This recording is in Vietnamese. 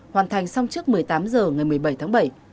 hoàn thành xong trước một mươi tám h ngày một mươi bảy tháng bảy